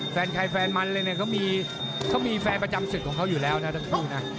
แฟนใครแฟนมันเลยเนี่ยเขามีแฟนประจำศึกของเขาอยู่แล้วนะทั้งคู่นะ